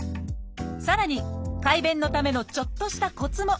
さらに快便のためのちょっとしたコツも！